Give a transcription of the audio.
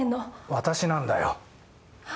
私なんだよ。は？